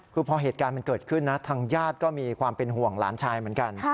คือพอเหตุการณ์มันเกิดขึ้นนะทางญาติก็มีความเป็นห่วงหลานชายเหมือนกัน